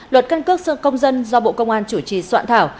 luật căn cước công dân do bộ công an chủ trì soạn thảo